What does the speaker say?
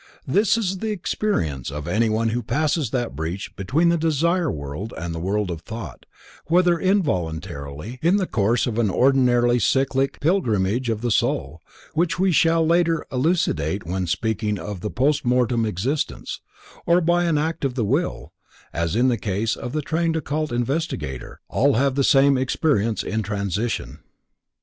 This is the experience of anyone who passes that breach between the Desire World and the World of Thought, whether involuntarily, in the course of an ordinary cyclic pilgrimage of the soul, which we shall later elucidate when speaking of the post mortem existence, or by an act of the will, as in the case of the trained occult investigator, all have the same experience in transition.